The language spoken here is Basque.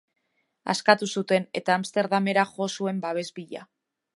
Askatu zuten, eta Amsterdamera jo zuen babes bila.